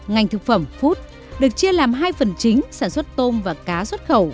ngành thực phẩm food được chia làm hai phần chính sản xuất tôm và cá xuất khẩu